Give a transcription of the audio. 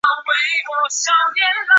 也将此类归类于岩黄蓍属。